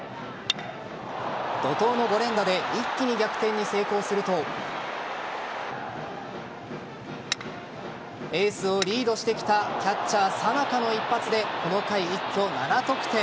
怒涛の５連打で一気に逆転に成功するとエースをリードしてきたキャッチャー・佐仲の一発でこの回、一挙７得点。